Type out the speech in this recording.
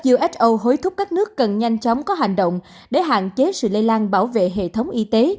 uso hối thúc các nước cần nhanh chóng có hành động để hạn chế sự lây lan bảo vệ hệ thống y tế